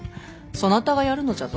そなたがやるのじゃぞ